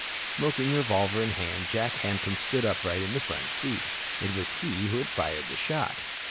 Smoking revolver in hand, Jack Hampton stood upright in the front seat. It was he who had fired the shot.